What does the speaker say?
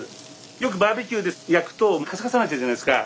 よくバーベキューで焼くとカサカサになっちゃうじゃないですか。